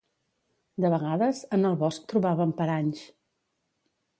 De vegades, en el bosc trobàvem paranys.